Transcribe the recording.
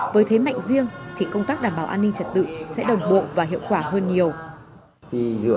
với thế mạnh riêng thì công tác đảm bảo an ninh trật tự sẽ đồng bộ và hiệu quả hơn nhiều